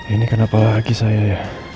ini kenapa kaki saya ya